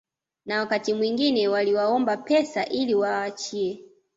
na wakati mwingine waliwaomba pesa ili wawaachie